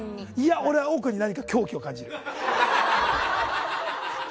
俺は奥に何か狂気を感じる。